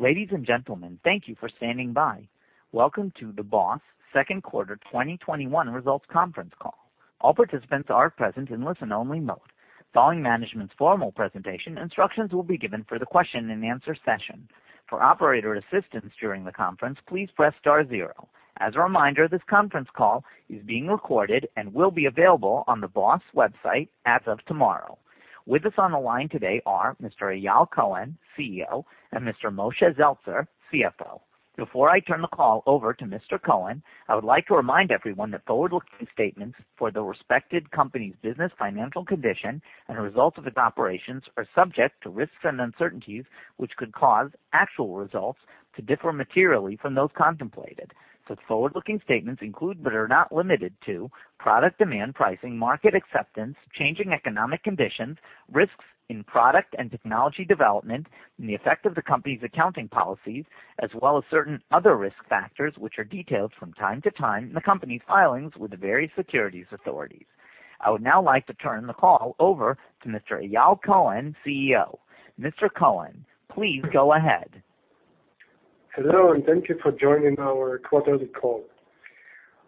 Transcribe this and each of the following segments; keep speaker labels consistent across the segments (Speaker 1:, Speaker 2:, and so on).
Speaker 1: Ladies and gentlemen, thank you for standing by. Welcome to the B.O.S. Q2 2021 results conference call. All participants are present in listen-only mode. Following management's formal presentation, instructions will be given for the question and answer session. For operator assistance during the conference, please press star zero. As a reminder, this conference call is being recorded and will be available on the B.O.S. website as of tomorrow. With us on the line today are Mr. Eyal Cohen, CEO, and Mr. Moshe Zeltzer, CFO. Before I turn the call over to Mr. Cohen, I would like to remind everyone that forward-looking statements for the respected company's business financial condition and the results of its operations are subject to risks and uncertainties, which could cause actual results to differ materially from those contemplated. Such forward-looking statements include, but are not limited to, product demand pricing, market acceptance, changing economic conditions, risks in product and technology development, and the effect of the company's accounting policies, as well as certain other risk factors, which are detailed from time to time in the company's filings with the various securities authorities. I would now like to turn the call over to Mr. Eyal Cohen, CEO. Mr. Cohen, please go ahead.
Speaker 2: Hello, thank you for joining our quarterly call.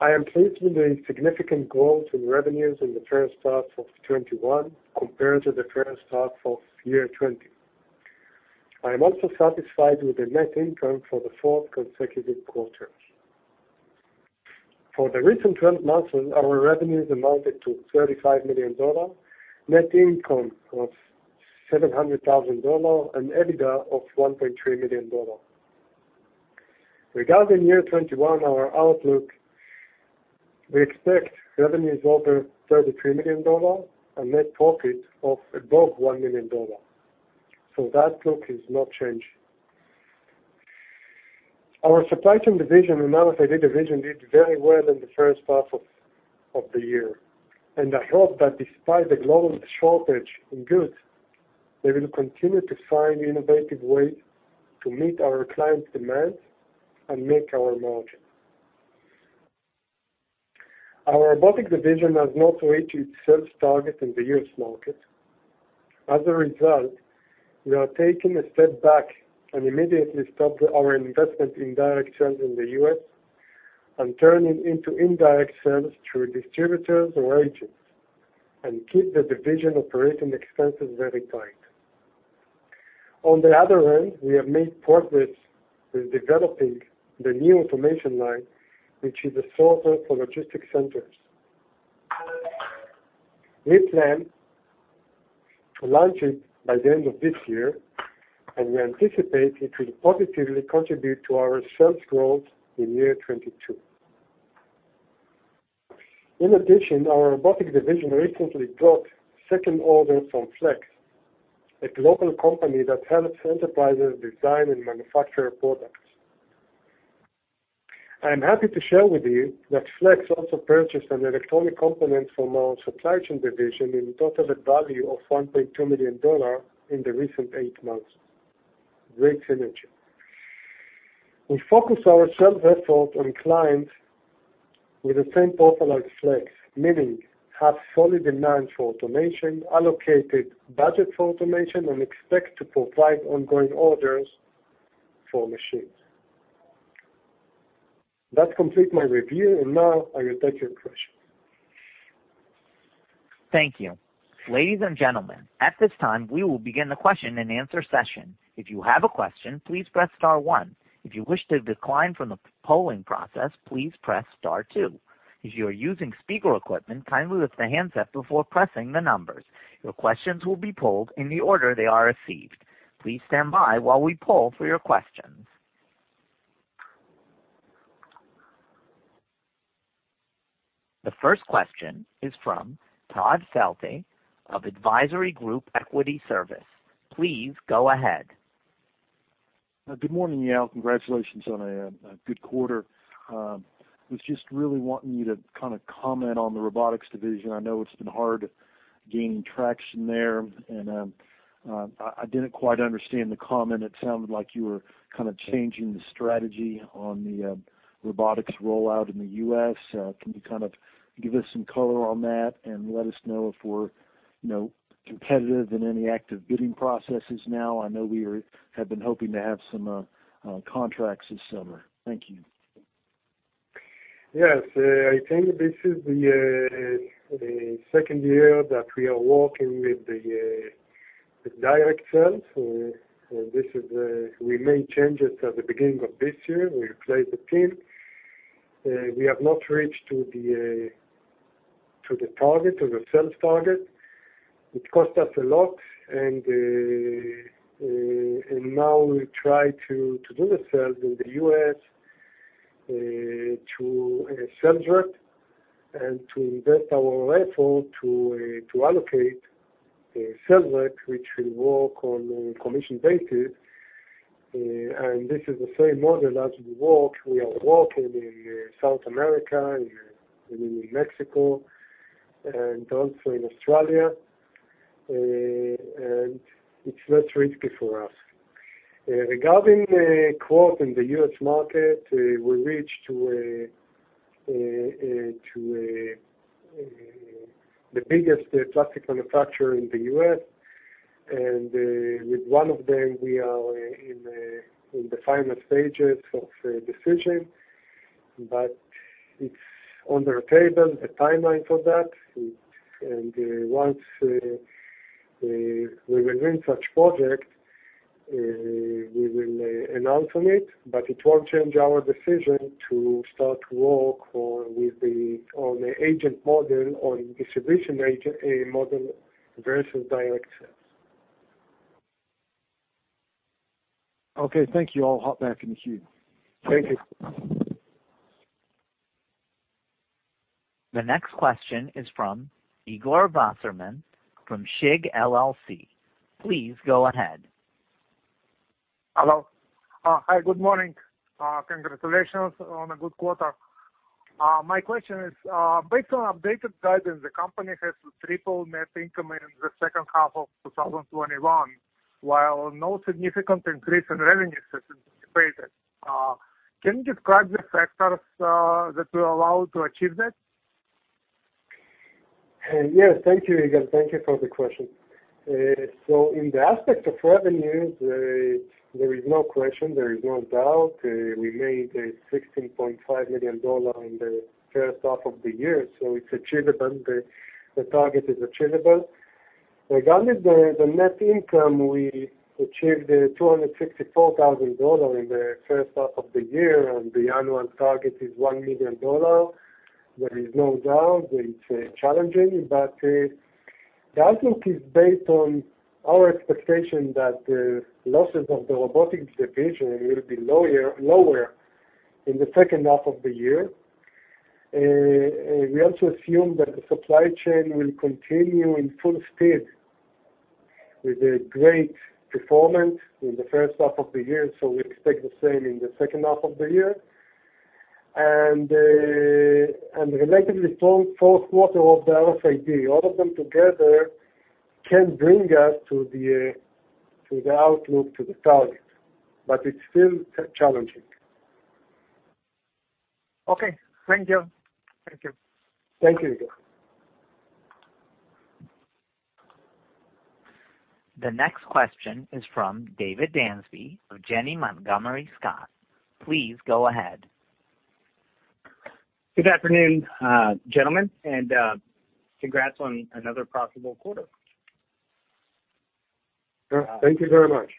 Speaker 2: I am pleased with the significant growth in revenues in the H1 of 2021 compared to the H1 of 2020. I am also satisfied with the net income for the fourth consecutive quarter. For the recent 12 months, our revenues amounted to $35 million, net income of $700,000, and EBITDA of $1.3 million. Regarding 2021, our outlook, we expect revenues over $33 million and net profit of above $1 million. That outlook has not changed. Our Supply Chain Division and manufacturing division did very well in the H1 of the year, and I hope that despite the global shortage in goods, they will continue to find innovative ways to meet our clients' demands and make our margin. Our Robotics Division has not reached its sales target in the U.S. market. As a result, we are taking a step back and immediately stop our investment in direct sales in the U.S. and turn it into indirect sales through distributors or agents and keep the division operating expenses very tight. On the other hand, we have made progress with developing the new automation line, which is a sorter for logistic centers. We plan to launch it by the end of this year, and we anticipate it will positively contribute to our sales growth in year 2022. In addition, our Robotics Division recently got second order from Flex, a global company that helps enterprises design and manufacture products. I am happy to share with you that Flex also purchased an electronic component from our Supply Chain Division in a total value of $1.2 million in the recent EIGHT months. Great synergy. We focus our sales effort on clients with the same profile as Flex, meaning have solid demand for automation, allocated budget for automation, and expect to provide ongoing orders for machines. That completes my review, and now I will take your questions.
Speaker 1: Thank you. Ladies and gentlemen, at this time, we will begin the question and answer session. If you have a question, please press star one. If you wish to decline from the polling process, please press star two. If you are using speaker equipment, kindly lift the handset before pressing the numbers. Your questions will be polled in the order they are received. Please stand by while we poll for your questions. The first question is from Todd Felte of Advisory Group Equity Services. Please go ahead.
Speaker 3: Good morning, Eyal. Congratulations on a good quarter. Was just really wanting you to kind of comment on the Robotics Division. I know it's been hard gaining traction there, and I didn't quite understand the comment. It sounded like you were kind of changing the strategy on the robotics rollout in the U.S. Can you kind of give us some color on that and let us know if we're competitive in any active bidding processes now? I know we had been hoping to have some contracts this summer. Thank you.
Speaker 2: Yes. I think this is the second year that we are working with the direct sales. We made changes at the beginning of this year. We replaced the team. We have not reached to the sales target, which cost us a lot. Now we try to do the sales in the U.S. through a sales rep and to invest our effort to allocate a sales rep, which will work on a commission basis. This is the same model as we are working in South America and in Mexico and also in Australia, and it's less risky for us. Regarding growth in the U.S. market, we reached to the biggest plastic manufacturer in the U.S., and with one of them, we are in the final stages of decision, but it's on the table, the timeline for that. Once we win such project, we will announce on it, but it won't change our decision to start work on the agent model or distribution agent model versus direct sales.
Speaker 3: Okay, thank you. I'll hop back in the queue.
Speaker 2: Thank you.
Speaker 1: The next question is from Igor Vasserman from SHIG LLC. Please go ahead.
Speaker 4: Hello. Hi, good morning. Congratulations on a good quarter. My question is, based on updated guidance, the company has tripled net income in the second half of 2021, while no significant increase in revenue is anticipated. Can you describe the factors that will allow to achieve that?
Speaker 2: Yes. Thank you, Igor. Thank you for the question. In the aspect of revenues, there is no question, there is no doubt. We made $16.5 million in the H1 of the year, so it's achievable. The target is achievable. Regarding the net income, we achieved $264,000 in the H1 of the year, and the annual target is $1 million. There is no doubt it's challenging, but the outlook is based on our expectation that the losses of the Robotics Division will be lower in the H2 of the year. We also assume that the Supply Chain will continue in full speed with a great performance in the H1 of the year, so we expect the same in the H2 of the year, and a relatively strong fourth quarter of the RFID. All of them together can bring us to the outlook, to the target. It's still challenging.
Speaker 4: Okay, thank you. Thank you.
Speaker 2: Thank you, Igor.
Speaker 1: The next question is from David Dansby of Janney Montgomery Scott. Please go ahead.
Speaker 5: Good afternoon, gentlemen, and congrats on another profitable quarter.
Speaker 2: Thank you very much.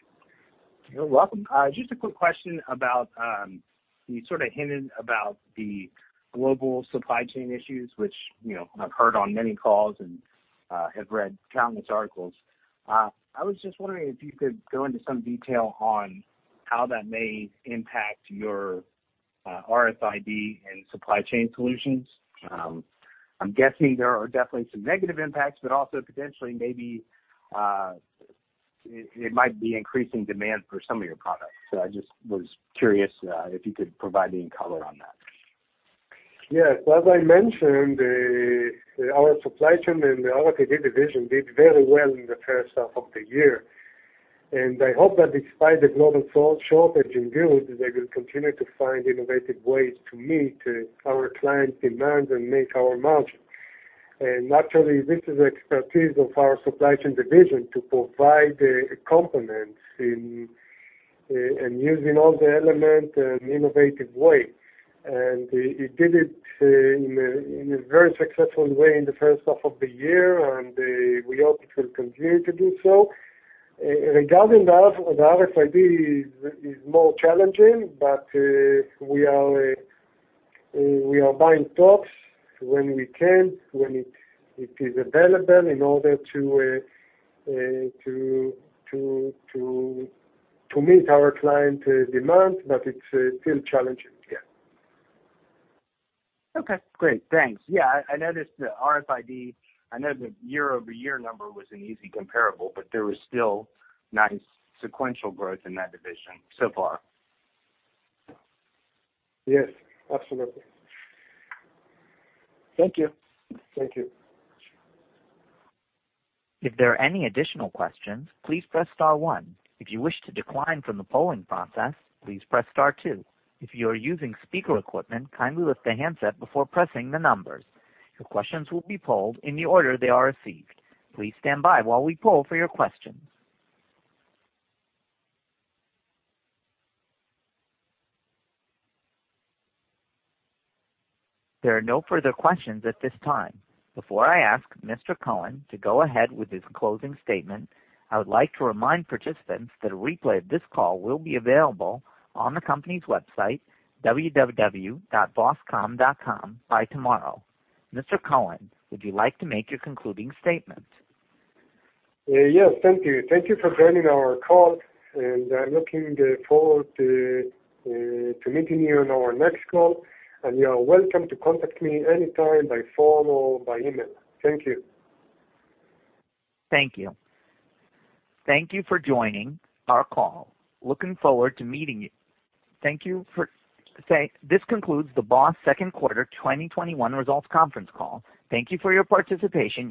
Speaker 5: You're welcome. Just a quick question about, you sort of hinted about the global supply chain issues, which I've heard on many calls and have read countless articles. I was just wondering if you could go into some detail on how that may impact your RFID and supply chain solutions. I'm guessing there are definitely some negative impacts, but also potentially maybe it might be increasing demand for some of your products. I just was curious if you could provide me any color on that.
Speaker 2: Yes. As I mentioned, our Supply Chain and the RFID Division did very well in the H1 of the year, and I hope that despite the global shortage in goods, they will continue to find innovative ways to meet our clients' demands and make our margin. Naturally, this is expertise of our Supply Chain Division to provide components and using all the element in innovative way. It did it in a very successful way in the H1 of the year, and we hope it will continue to do so. Regarding the RFID is more challenging, but we are buying stocks when we can, when it is available in order to meet our client demands. It's still challenging, yeah.
Speaker 5: Okay, great. Thanks. Yeah, I noticed the RFID. I know the year-over-year number was an easy comparable, but there was still nice sequential growth in that division so far.
Speaker 2: Yes, absolutely.
Speaker 5: Thank you.
Speaker 2: Thank you.
Speaker 1: If there are any additional questions, please press star one. If you wish to decline from the polling factor, please press star two. If you are using speaker equipment kindly lift the handset before pressing the numbers. Your questions will be polled in the order they are received. Please stand by while we poll for your questions. There are no further questions at this time. Before I ask Mr. Cohen to go ahead with his closing statement, I would like to remind participants that a replay of this call will be available on the company's website, www.boscom.com, by tomorrow. Mr. Cohen, would you like to make your concluding statement?
Speaker 2: Yes, thank you. Thank you for joining our call, and I'm looking forward to meeting you on our next call, and you are welcome to contact me anytime by phone or by email. Thank you.
Speaker 1: Thank you. Thank you for joining our call. Looking forward to meeting you. This concludes the B.O.S. Q2 2021 results conference call. Thank you for your participation.